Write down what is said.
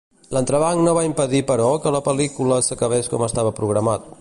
L'entrebanc no va impedir però que la pel·lícula s’acabés com estava programat.